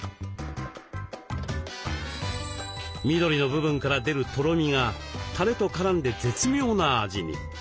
緑の部分から出るとろみがたれと絡んで絶妙な味に。